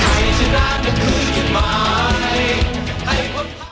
การที่จะเขียนเพลงนี้ใช่ไหม